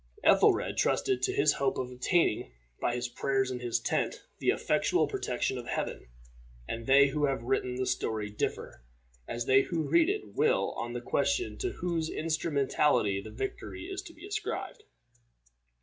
Ethelred trusted to his hope of obtaining, by his prayers in his tent, the effectual protection of Heaven; and they who have written the story differ, as they who read it will on the question to whose instrumentality the victory is to be ascribed.